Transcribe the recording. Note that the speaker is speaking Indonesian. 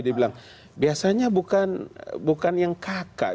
dia bilang biasanya bukan yang kakak